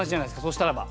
そしたらば。